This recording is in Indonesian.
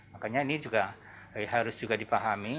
makanya ini juga harus juga dipahami